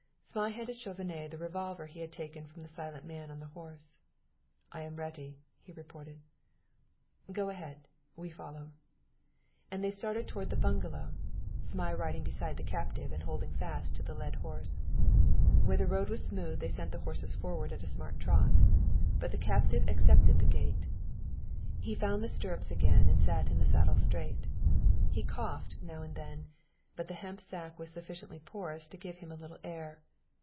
Zmai handed Chauvenet the revolver he had taken from the silent man on the horse. "I am ready," he reported. "Go ahead; we follow;" and they started toward the bungalow, Zmai riding beside the captive and holding fast to the led horse. Where the road was smooth they sent the horses forward at a smart trot; but the captive accepted the gait; he found the stirrups again and sat his saddle straight. He coughed now and then, but the hemp sack was sufficiently porous to give him a little air.